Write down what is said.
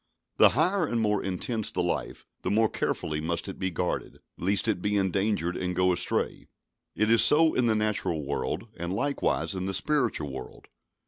The higher and more intense the life, the more carefully must it be guarded, lest it be endangered and go astray. It is so in the natural world, and likewise in the spiritual world.